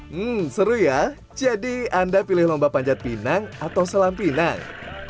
hmm seru ya jadi anda pilih lomba panjat pinang atau selam pinang